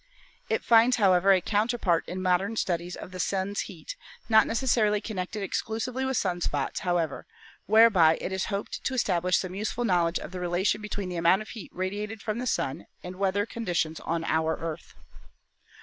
It finds, however, a counterpart in modern studies of the Sun's heat, not necessarily connected exclusively with sun spots, however, whereby it is hoped to establish some useful knowledge of the relation between the amount of heat radiated from the Sun and weather con ditions on our Earth.